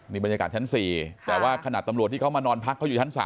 บรรยากาศชั้น๔แต่ว่าขนาดตำรวจที่เขามานอนพักเขาอยู่ชั้น๓